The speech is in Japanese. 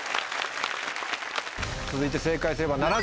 続いて正解すれば。